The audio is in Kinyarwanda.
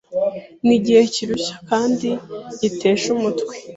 ni igihe kirushya kandi gitesha umutwe.